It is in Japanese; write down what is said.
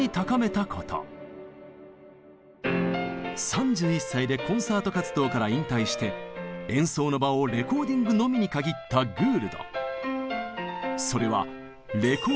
それは３１歳でコンサート活動から引退して演奏の場をレコーディングのみに限ったグールド。